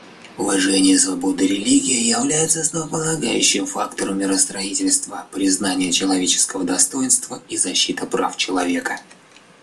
Уважение свободы религии является основополагающим фактором миростроительства, признания человеческого достоинства и защиты прав человека.